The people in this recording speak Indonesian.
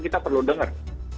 kita perlu dengar